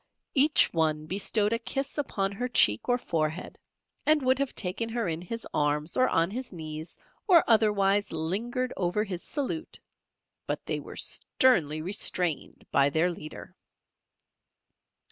Each one bestowed a kiss upon her cheek or forehead, and would have taken her in his arms, or on his knees, or otherwise lingered over his salute, but they were sternly restrained by their leader.